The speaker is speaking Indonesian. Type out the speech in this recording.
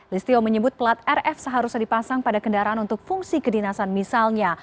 listio menyebut pelat rf seharusnya dipasang pada kendaraan untuk fungsi kedinasan misalnya